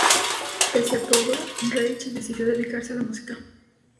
Pese a todo, Reich decidió dedicarse a la música.